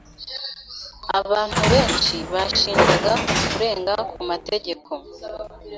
Abantu benshi bashinjwaga kurenga ku mategeko.